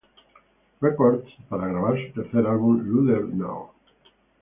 Records para grabar su tercer álbum, "Louder Now".